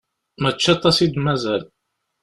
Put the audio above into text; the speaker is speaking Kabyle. Mačči aṭas i d-mazal.